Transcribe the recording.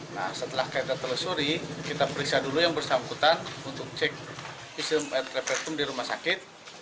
nah setelah kata telusuri kita periksa dulu yang bersambutan untuk cek pism atrepetum di rumah sakit